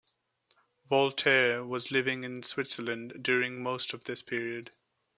Voltaire was living in Switzerland during most of this period.